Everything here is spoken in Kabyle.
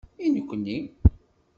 I nekni!